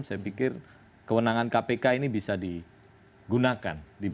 saya pikir kewenangan kpk ini bisa digunakan